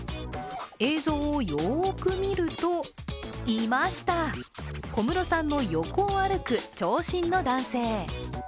映像をよく見ると、いました、小室さんの横を歩く長身の男性。